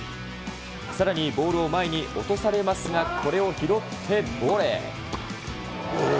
さらにボールを前に落とされますが、これを拾ってボレー。